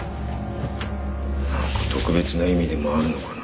何か特別な意味でもあるのかな？